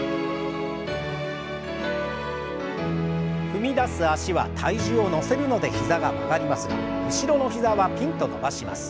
踏み出す脚は体重を乗せるので膝が曲がりますが後ろの膝はピンと伸ばします。